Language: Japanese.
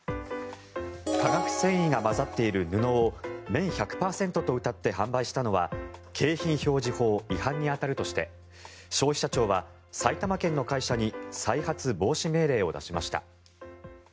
化学繊維が混ざっている布を綿１００％とうたって販売したのは景品表示法違反に当たるとして消費者庁は埼玉県の会社に再発防止命令を出しました。